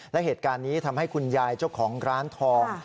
และเหตุการณ์นี้ทำให้คุณยายเจ้าของร้านทอง